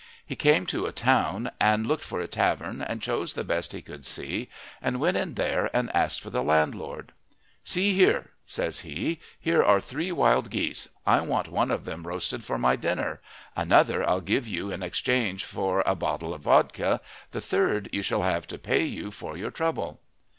He came to a town, and looked for a tavern, and chose the best he could see, and went in there and asked for the landlord. "See here," says he, "here are three wild geese. I want one of them roasted for my dinner. Another I'll give you in exchange for a bottle of vodka. The third you shall have to pay you for your trouble."